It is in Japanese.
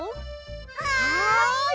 はい！